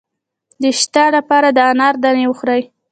د اشتها لپاره د انار دانې وخورئ